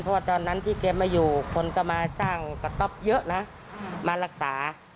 เพราะว่าตอนนั้นที่แกไม่อยู่คนก็มาสร้างกระต๊อปเยอะนะมารักษา